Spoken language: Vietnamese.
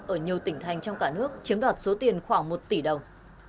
ở nhiều tỉnh thành trong cả nước chiếm đoạt số tiền khoảng một tỷ đồng